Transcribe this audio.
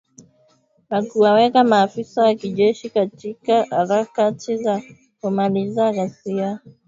Na kuwaweka maafisa wa kijeshi katika harakati za kumaliza ghasia